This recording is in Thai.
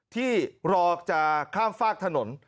ที่รอจะข้ามฝากถนน